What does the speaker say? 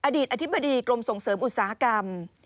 อดีตอธิบดีกรมส่งเสริมอุตสาหกรรม